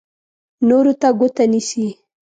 نورو ته ګوته نیسي.